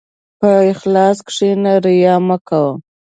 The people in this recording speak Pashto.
په اخلاص کښېنه، ریا مه کوه.